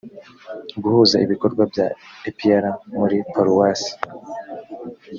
guhuza ibikorwa bya epr muri paruwase